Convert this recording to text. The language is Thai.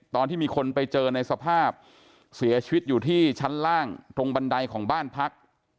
ตอนที่มีคนไปเจอในสภาพเสียชีวิตอยู่ที่ชั้นล่างตรงบันไดของบ้านพัก